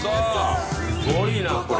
すごいなこれ。